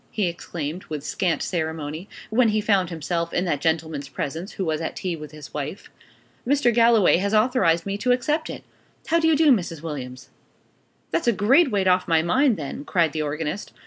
he exclaimed with scant ceremony, when he found himself in that gentleman's presence, who was at tea with his wife. "Mr. Galloway has authorized me to accept it. How do you do, Mrs. Williams?" "That's a great weight off my mind, then!" cried the organist.